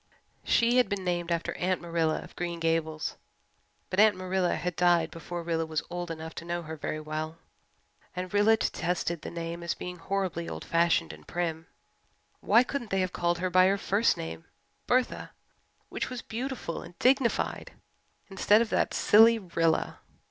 She had been named after Aunt Marilla of Green Gables, but Aunt Marilla had died before Rilla was old enough to know her very well, and Rilla detested the name as being horribly old fashioned and prim. Why couldn't they have called her by her first name, Bertha, which was beautiful and dignified, instead of that silly "Rilla"?